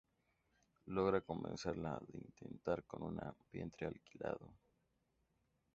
Logra convencerla de intentar con un vientre alquilado.